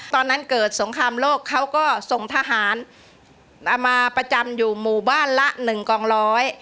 ตอนนั้นเกิดสงครามโลกเขาก็ส่งทหารมาประจำอยู่หมู่บ้านละหนึ่งกองร้อย